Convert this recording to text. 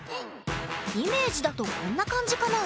イメージだとこんな感じかな？